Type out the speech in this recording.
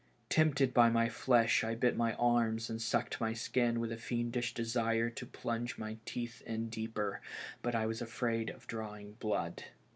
Tempted by my flesh, I bit my arms and sucked my skin with a fiendish desire to plunge my teeth in deeper ; but I was afraid of drawing blood.